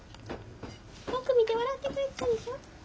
僕見て笑ってくれてたでしょ」。